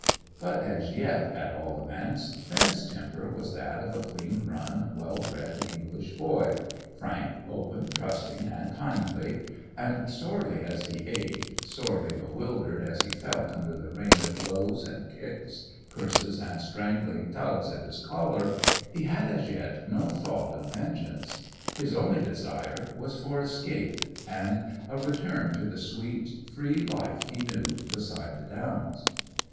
But, as yet at all events, Finn's temper was that of a clean run, well bred English boy; frank, open, trusting, and kindly; and, sorely as he ached, sorely bewildered as he felt under the rain of blows and kicks, curses and strangling tugs at his collar, he had as yet no thought of vengeance. His only desire was for escape, and a return to the sweet, free life he knew beside the Downs.